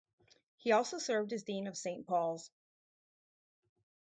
He also served as Dean of Saint Paul's.